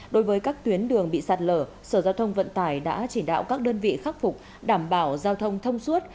đối với các tuyến đường bị sạt lở sở giao thông vận tải đã chỉ đạo các đơn vị khắc phục đảm bảo giao thông thông suốt